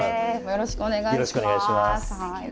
よろしくお願いします。